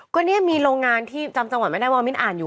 ก็เนี่ยมีโรงงานที่จำจังหวัดไม่ได้ว่ามิ้นอ่านอยู่